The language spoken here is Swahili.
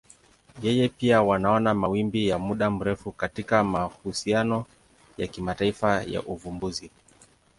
Yeye pia wanaona mawimbi ya muda mrefu katika mahusiano ya kimataifa ya uvumbuzi.